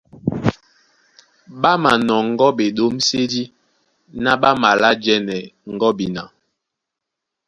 Ɓá nɔŋgɔ́ ɓeɗǒmsédí ná ɓá malá jɛ́nɛ gɔ́bina.